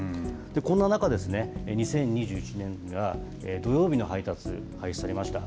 こんな中、２０２１年度には土曜日の配達、廃止されました。